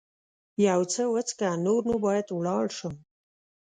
یو څه وڅښه، نور نو باید ولاړ شم.